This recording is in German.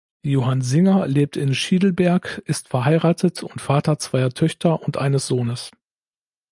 Johann Singer lebt in Schiedlberg, ist verheiratet und Vater zweier Töchter und eines Sohnes.